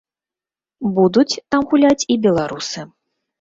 Будуць там гуляць і беларусы.